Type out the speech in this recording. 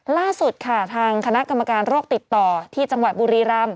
ล่าสุดค่ะทางคณะกรรมการโรคติดต่อที่จังหวัดบุรีรำ